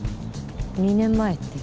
２年前って。